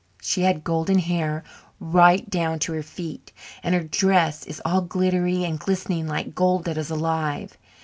She has golden hair right down to her feet, and her dress is all glittering and glistening like gold that is alive.